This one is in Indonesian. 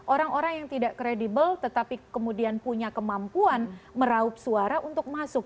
orang orang yang tidak kredibel tetapi kemudian punya kemampuan meraup suara untuk masuk